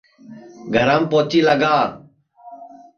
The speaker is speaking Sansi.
گھرام پوچی لگا